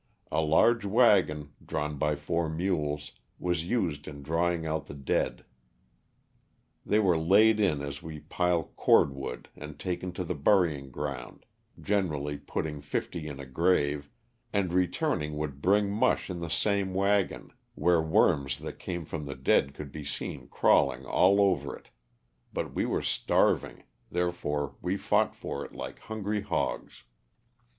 A large wagon, drawn by four mules, was used in drawing out the dead. They were laid in as we pile cord wood and taken to the burying ground, generally putting fifty in a grave, and returning would bring mush in the same wagon, where worms that came from the dead could be seen crawl ing all over it; but we were starving, therefore we fought for it like hungry hogs.